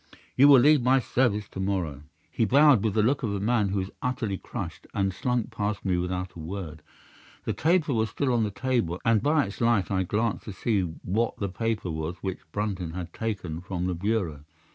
You will leave my service to morrow." "'He bowed with the look of a man who is utterly crushed, and slunk past me without a word. The taper was still on the table, and by its light I glanced to see what the paper was which Brunton had taken from the bureau.